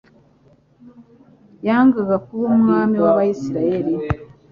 yangaga kuba Umwami w'abisiraheli.